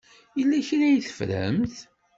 Yella kra ay teffremt?